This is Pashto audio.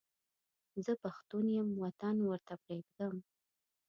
زه پښتون یم وطن ورته پرېږدم.